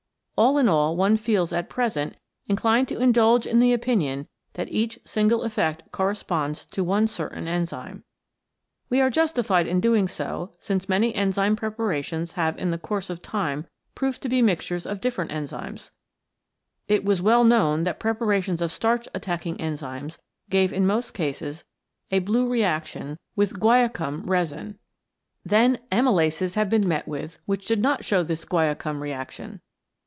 All in all one feels at present in clined to indulge in the opinion that each single effect corresponds to one certain enzyme. We are justified in doing so, since many enzyme prepara tions have in the course of time proved to be mixtures of different enzymes. It was well known that preparations of starch attacking enzymes gave in most cases a blue reaction with guaiacum resin, in CHEMICAL PHENOMENA IN LIFE Then amylases have been met with which did not show this guaiacum reaction.